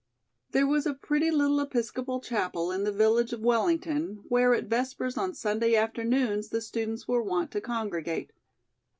There was a pretty little Episcopal chapel in the village of Wellington, where at Vespers on Sunday afternoons the students were wont to congregate.